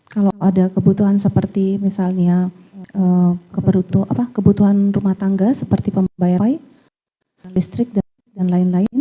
kalau ada kebutuhan seperti misalnya kebutuhan rumah tangga seperti pembayaran listrik dan lain lainnya